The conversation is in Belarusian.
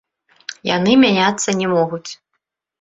Яны мяняцца не могуць.